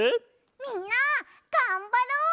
みんながんばろう！